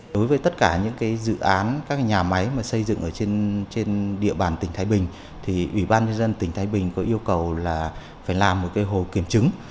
đối với tất cả những dự án các nhà máy xây dựng ở trên địa bàn tỉnh thái bình thì ủy ban nhân dân tỉnh thái bình có yêu cầu là phải làm một hồ kiểm chứng